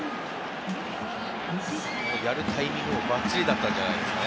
やるタイミングもばっちりだったんじゃないですか。